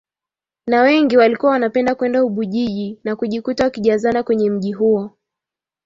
Na wengi walikuwa wanapenda kwenda Ubujiji na kujikuta wakijazana kwenye mji huo